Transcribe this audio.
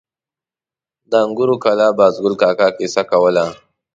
د انګورو کلا بازګل کاکا کیسه کوله.